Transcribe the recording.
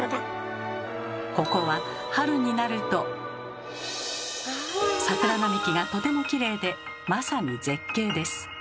ここは桜並木がとてもきれいでまさに絶景です。